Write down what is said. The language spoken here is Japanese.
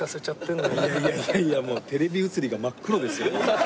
いやいやいやいやもうテレビ映りが真っ黒ですよ。